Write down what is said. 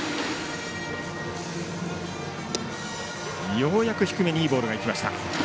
ようやく低めにいいボールがいきました。